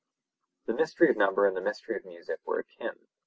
The mystery of number and the mystery of music were akin.